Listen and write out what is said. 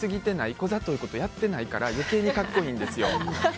ざといことやってないから余計に格好いいんですよ。